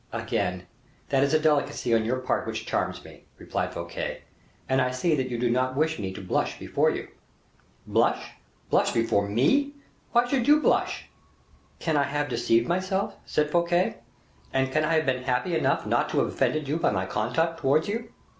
"Again, that is a delicacy on your part which charms me," replied Fouquet, "and I see you do not wish me to blush before you." "Blush! blush before me! Why should you blush?" "Can I have deceived myself," said Fouquet; "and can I have been happy enough not to have offended you by my conduct towards you?"